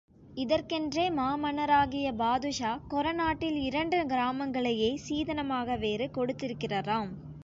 இதற்கென்றே மாமனாராகிய பாதுஷா கொற நாட்டில் இரண்டு கிராமங்களையே சீதனமாக வேறு கொடுத்திருக்கிறராம்.